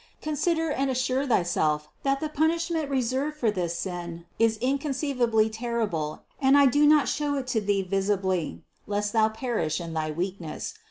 Consider and assure thyself that the punishment reserved for this sin is inconceivably terrible and I do not show it to thee visibly, lest thou perish in thy weakness.